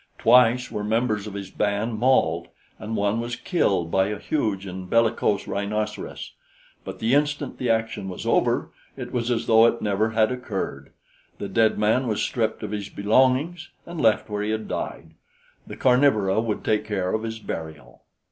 Twice were members of his band mauled, and one was killed by a huge and bellicose rhinoceros; but the instant the action was over, it was as though it never had occurred. The dead man was stripped of his belongings and left where he had died; the carnivora would take care of his burial.